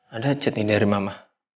ada chat nih dari mama